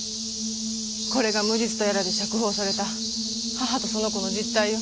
これが無実とやらで釈放された母とその子の実態よ。